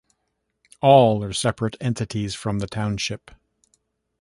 All are separate entities from the township.